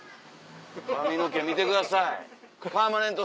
髪の毛見てください。